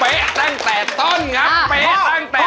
เป๊ะตั้งแต่ต้นนะ